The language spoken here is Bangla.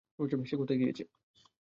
সে কোথায় গিয়েছে?